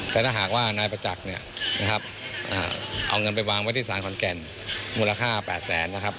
แต่ถ้าหากว่านายประจักษ์เนี่ยนะครับเอาเงินไปวางไว้ที่ศาลขอนแก่นมูลค่า๘แสนนะครับ